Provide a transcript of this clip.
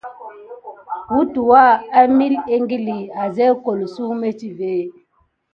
Wutəwa emilik ékili adawu gukole metivé.